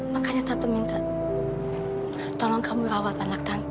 makanya tante minta tolong kamu rawat anak kami